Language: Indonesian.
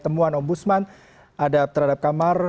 temuan om busman terhadap kamar